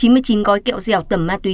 chín mươi chín gói kẹo dẻo tẩm ma túy